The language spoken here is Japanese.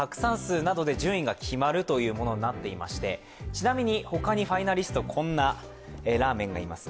ちなみに他にファイナリストこんなラーメンがいます。